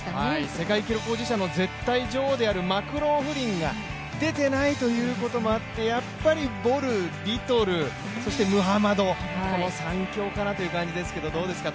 世界記録保持者の絶対女王であるマクローフリンが出てないということもあってやっぱりボル、リトル、そしてムハマド、この３強かなという感じですがどうですか？